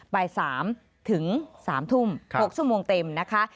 บ่าย๓ถึง๓ทุ่ม๖ชั่วโมงเต็มนะคะ